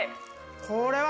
これは。